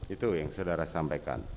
itu yang saudara sampaikan